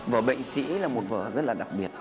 vở bệnh sĩ là một vở rất là đặc biệt